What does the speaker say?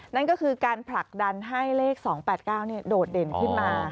นั่นก็คือการผลักดันให้เลข๒๘๙โดดเด่นขึ้นมา